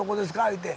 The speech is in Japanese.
言うて。